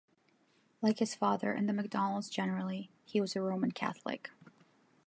Like his father and the MacDonnells generally, he was a Roman Catholic.